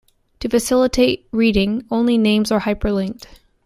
To facilitate reading, only names are hyperlinked.